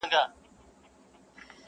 o د ړندو په ښار کي يو سترگی باچا دئ!